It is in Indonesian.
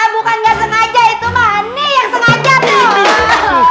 bukan nggak sengaja itu mane yang sengaja tuh